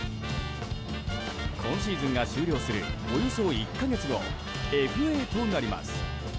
今シーズンが終了するおよそ１か月後ＦＡとなります。